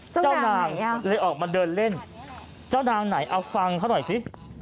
เจ้านางเลยออกมาเดินเล่นเจ้านางไหนเอาฟังเขาหน่อยสิ